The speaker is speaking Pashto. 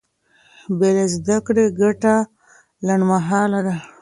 بې له زده کړې ګټه لنډمهاله ده.